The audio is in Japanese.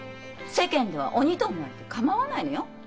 世間では鬼と思われて構わないのよ。